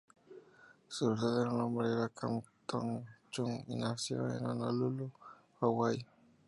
Su verdadero nombre era Kam Tong Chun, y nació en Honolulu, Hawaii.